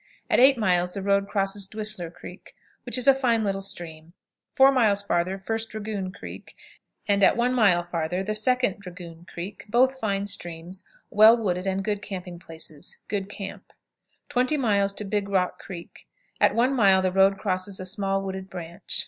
At eight miles the road crosses Dwissler Creek, which is a fine little stream; four miles farther First Dragoon Creek, and at one mile farther the Second Dragoon Creek, both fine streams, well wooded, and good camping places. Good camp. 20. "Big Rock Creek." At one mile the road crosses a small wooded branch.